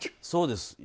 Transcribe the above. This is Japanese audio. そうです。